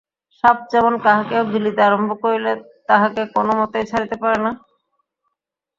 সাপ যেমন কাহাকেও গিলিতে আরম্ভ করিলে তাহাকে কোনোমতেই ছাড়িতে পারে না।